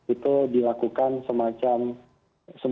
itu dilakukan semacam